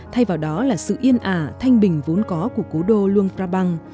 thay vào đó là sự yên ả thanh bình vốn có của cố đô luang prabang